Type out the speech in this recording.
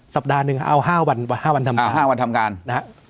สัปดาห์หนึ่งเอาห้าวันห้าวันทำการเอาห้าวันทำการนะฮะ